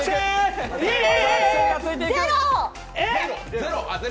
ゼロ。